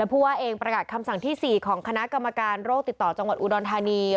ผู้ว่าเองประกาศคำสั่งที่๔ของคณะกรรมการโรคติดต่อจังหวัดอุดรธานี